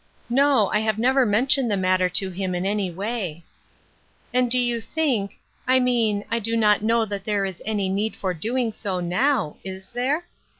" No ; I have never mentioned the matter to him in any way." " And do you think — I mean, I do not know that there is any need for doing so now. Is there